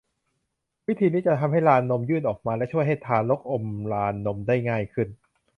วิธีนี้จะทำให้ลานนมยื่นออกมาและช่วยให้ทารกอมลานนมได้ง่ายขึ้น